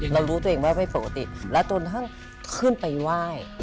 เรารู้ตัวเองว่าไม่ปกติแล้วตัวนั้นขึ้นไปไหว้